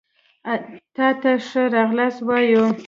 تاته ښه راغلاست وايو